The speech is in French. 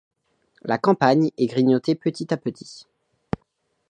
La campagne est grignotée petit à petit.